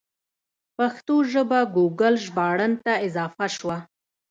پښتو ژبه ګوګل ژباړن ته اضافه شوه.